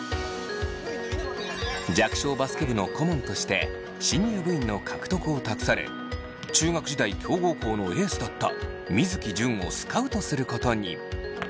弱小バスケ部の顧問として新入部員の獲得を託され中学時代強豪校のエースだった水城純をスカウトすることに。